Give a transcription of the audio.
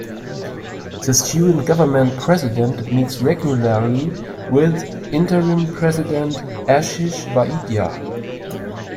The Student Government president meets regularly with Interim President Ashish Vaidya.